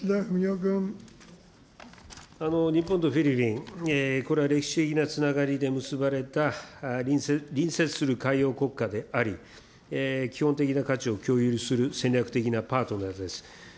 日本とフィリピン、これは歴史的なつながりで結ばれた隣接する海洋国家であり、基本的な価値を共有する戦略的なパートナーです。